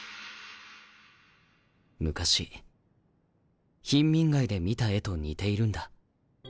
昔貧民街で見た絵と似ているんだ。